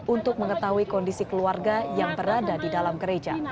untuk mengetahui kondisi keluarga yang berada di dalam gereja